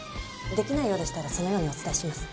できないようでしたらそのようにお伝えします。